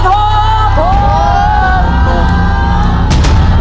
โตโตโต